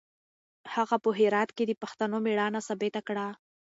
هغه په هرات کې د پښتنو مېړانه ثابته کړه.